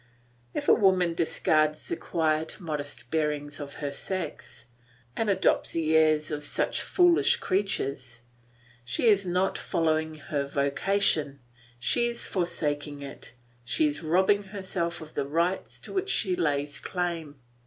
If a woman discards the quiet modest bearing of her sex, and adopts the airs of such foolish creatures, she is not following her vocation, she is forsaking it; she is robbing herself of the rights to which she lays claim.